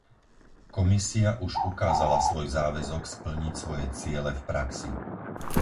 Komisia už ukázala svoj záväzok splniť svoje ciele v praxi.